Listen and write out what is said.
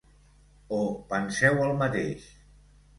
O penseu el mateix?